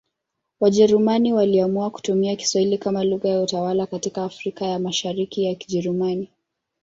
Wajerumani waliamua kutumia Kiswahili kama lugha ya utawala katika Afrika ya Mashariki ya Kijerumani.